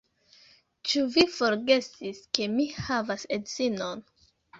Ĉu vi forgesis ke mi havas edzinon?